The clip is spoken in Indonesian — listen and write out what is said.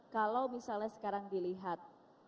kalau misalnya sekarang dilihat